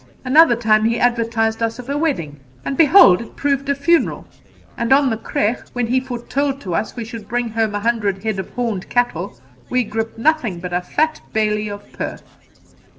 Another time he advertised us of a wedding, and behold it proved a funeral; and on the creagh, when he foretold to us we should bring home a hundred head of horned cattle, we gripped nothing but a fat bailie of Perth.'